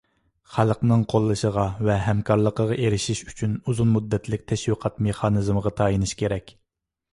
خەلقنىڭ قوللىشىغا ۋە ھەمكارلىقىغا ئېرىشىش ئۈچۈن ئۇزۇن مۇددەتلىك تەشۋىقات مېخانىزىمىغا تايىنىش كېرەك.